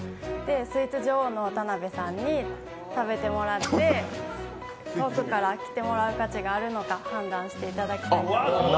スイーツ女王の田辺さんに食べてもらって遠くから来てもらう価値があるのか判断していただきたいと思います。